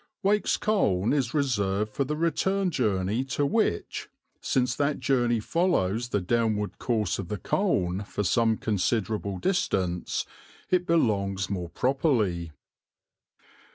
Wake's Colne is reserved for the return journey to which, since that journey follows the downward course of the Colne for some considerable distance, it belongs more properly.